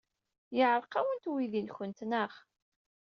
Yeɛreq-awent weydi-nwent, naɣ?